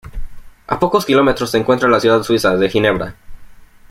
A pocos kilómetros se encuentra la ciudad suiza de Ginebra.